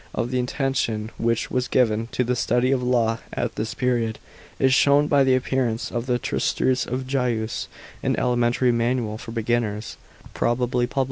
f The attention which was given to the study of law at this period is shown by the appearance of the Tnstitutes of Gaius, an elementary manual for beginners, prol> l>ly * Digest, iv.